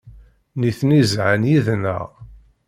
Nitni zhan yid-neɣ.